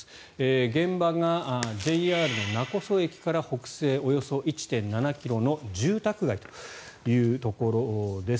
現場がＪＲ勿来駅から北西およそ１．７ｋｍの住宅街というところです。